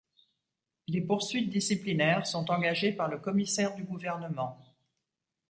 Les poursuites disciplinaires sont engagées par le Commissaire du gouvernement.